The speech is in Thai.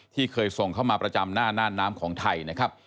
ที่เคยส่งเข้ามาประจำหน้าน่านน้ำของไทยนะครับ